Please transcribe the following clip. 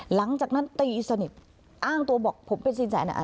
หลังจากนั้นตีสนิทอ้างตัวบอกผมเป็นสินแสนะ